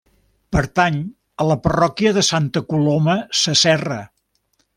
Pertany a la parròquia de Santa Coloma Sasserra.